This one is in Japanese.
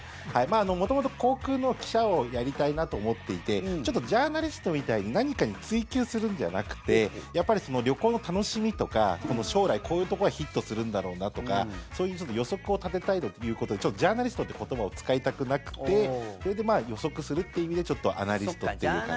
元々、航空の記者をやりたいなと思っていてちょっとジャーナリストみたいに何かに追及するんじゃなくてやっぱり旅行の楽しみとか将来、こういうところがヒットするんだろうなとかそういう予測を立てたいということでジャーナリストって言葉を使いたくなくてそれで、予測するっていう意味でアナリストっていう感じで。